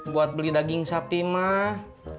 buat beli daging sapi mah